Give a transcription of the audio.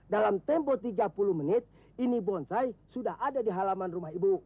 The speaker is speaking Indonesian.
dalam tempo tiga puluh menit ini bonsai sudah ada di halaman rumah ibu